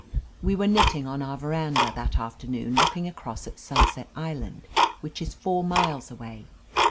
:We were knitting on our veranda that after noon, looking across at Sunset Island, which is four miles away.